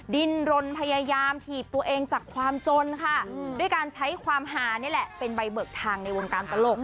ดินรนพยายามถีบตัวเองจากความจนค่ะด้วยการใช้ความฮานี่แหละเป็นใบเบิกทางในวงการตลก